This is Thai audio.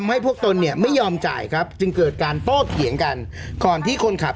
อันนี้มีเสียงไหมฮะเอาไปฟังเสียงก่อนครับ